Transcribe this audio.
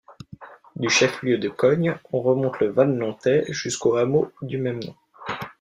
Du chef-lieu de Cogne, on remonte le Valnontey jusqu'au hameau du même nom.